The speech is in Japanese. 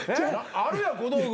あるやん小道具。